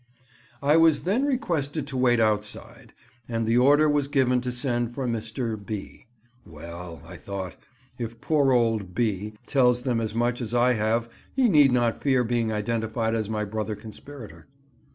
I was then requested to wait outside, and the order was given to send for Mr. B—. "Well," I thought, "if poor old B— tells them as much as I have he need not fear being identified as my brother conspirator."